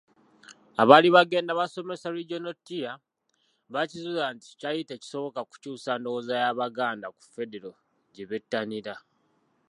Abaali bagenda basomesa Regional Tier baakizuula nti kyali tekisoboka kukyusa ndowooza y’Abaganda ku Federo gye bettanira.